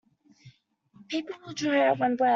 Paper will dry out when wet.